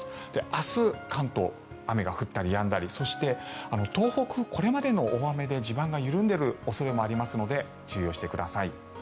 明日、関東雨が降ったりやんだりそして東北、これまでの大雨で地盤が緩んでいる恐れもありますので注意をしてください。